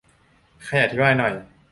ใครอธิบายหน่อย